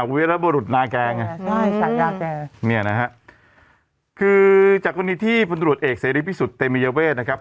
วิรับบรุษนาแกงน่ะนี่นะฮะคือจากวันนี้ที่ผลตรวจเอกเสรีพิสุทธิ์เต็มยเวทนะครับ